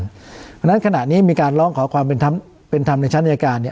เพราะฉะนั้นขณะนี้มีการร้องขอความเป็นธรรมในชั้นอายการ